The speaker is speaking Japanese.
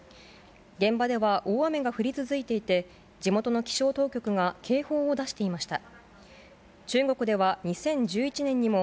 現場では大雨が降り続いていて、地元の気象当局が警報を出していました。